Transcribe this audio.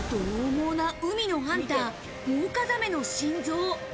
獰猛な海のハンター・モウカザメの心臓。